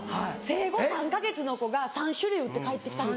生後３か月の子が３種類打って帰って来たんです。